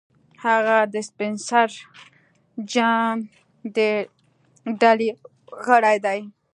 هغه د سپنسر جان د ډلې یو غړی دی